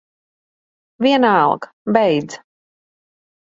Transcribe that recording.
Vienalga. Beidz.